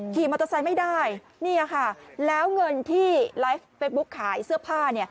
ขี่มอเตอร์ไซค์ไม่ได้นี่ค่ะแล้วเงินที่ไลฟ์เฟซบุ๊คขายเสื้อผ้า